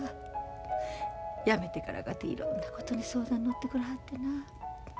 やめてからかていろんなことに相談に乗ってくれはってな。